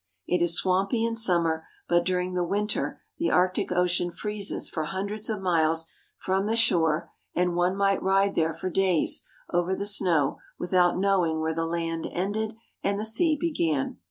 It is swampy in summer, but during the winter the Arctic Ocean freezes for hundreds of miles from the shore, and one might ride there for days over the snow with out knowing where the land ended and the sea began.